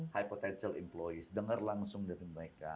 high potential employes dengar langsung dari mereka